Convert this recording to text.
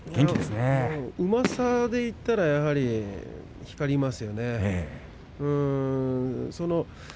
うまさで言ったら光りますよね。